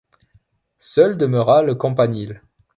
Seul demeura le campanile.